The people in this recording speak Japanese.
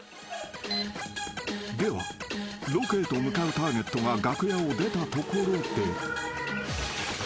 ［ではロケへと向かうターゲットが楽屋を出たところで］